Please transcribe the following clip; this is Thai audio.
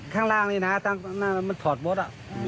ข้างล่างนั้นมันถอดบ๊อต